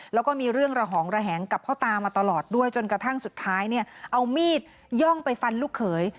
แล้วก็มีเรื่องระหองระแหงกับพ่อตามาตลอดด้วยจนกระทั่งสุดท้ายเนี่ยเอามีดย่องไปฟันลูกเขย